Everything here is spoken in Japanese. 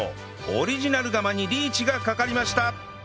オリジナル釜にリーチがかかりました！